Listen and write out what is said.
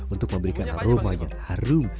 untuk memberikan aroma yang harum